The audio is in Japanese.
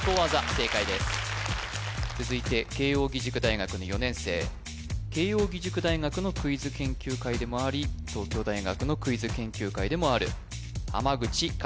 正解です続いて慶應義塾大学の４年生慶應義塾大学のクイズ研究会でもあり東京大学のクイズ研究会でもある口和